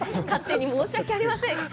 勝手に申し訳ありません。